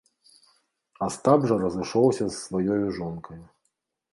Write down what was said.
Астап жа разышоўся з сваёю жонкаю.